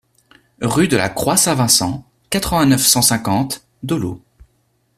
Rue de la Croix Saint-Vincent, quatre-vingt-neuf, cent cinquante Dollot